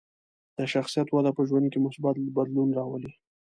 د شخصیت وده په ژوند کې مثبت بدلون راولي.